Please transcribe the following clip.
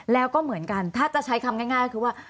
แล้วก็เหมือนกันถ้าจะใช้คำง่ายก็คือว่า